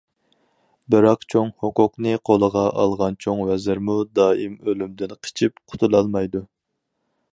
بىراق، چوڭ ھوقۇقنى قولىغا ئالغان چوڭ ۋەزىرمۇ دائىم ئۆلۈمدىن قېچىپ قۇتۇلالمايدۇ.